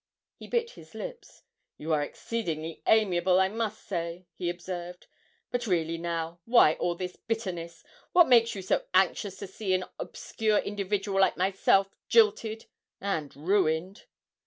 He bit his lips. 'You are exceedingly amiable, I must say,' he observed; 'but really now, why all this bitterness? What makes you so anxious to see an obscure individual like myself jilted and ruined?'